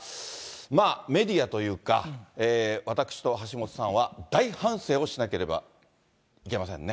まあメディアというか、私と橋下さんは大反省をしなければいけませんね。